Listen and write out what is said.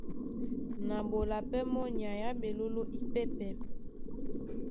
Na ɓola pɛ́ mɔ́ nyay á ɓeɓoló ípɛ́pɛ̄.